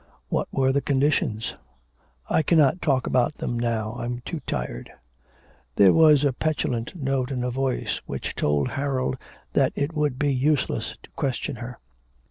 'What were the conditions?' 'I cannot talk about them now, I'm too tired.' There was a petulant note in her voice which told Harold that it would be useless to question her.